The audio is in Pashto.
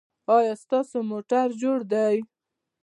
ایا ستاسو موټر جوړ دی؟